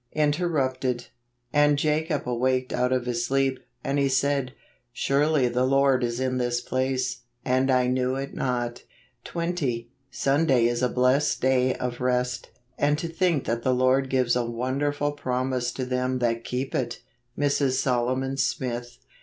Interrupted. " And Jacob awaked out of his sleep, and he said. Surely the Lord is in this place; and I knew it not." 20. Sunday is a blessed day of rest; aud to think that the Lord gives a wonderful promise to them that keep it! Mrs. Solomon Smith.